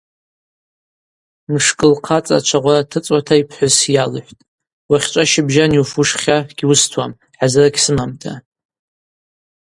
Мшкӏы лхъацӏа чвагъвара дтыцӏуата йпхӏвыс йалхӏвтӏ: Уахьчӏва щыбжьан йуфуш хьа гьуыстуам хӏазыр гьсымамта.